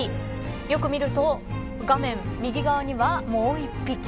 よく見ると、画面右側にはもう一匹。